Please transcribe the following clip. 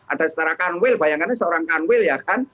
ada setara kanwil bayangkan seorang kanwil ya kan